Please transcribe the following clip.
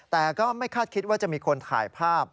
แต่ก็ไม่คาดคิดว่าจะมีคนถ่ายภาพ